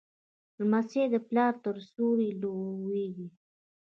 لمسی د پلار تر سیوري لویېږي.